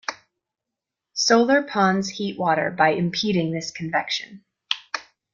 Solar ponds heat water by impeding this convection.